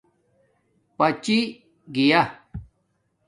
پچی گیݳ